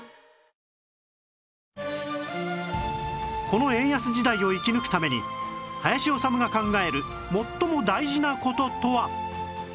この円安時代を生き抜くために林修が考える最も大事な事とは？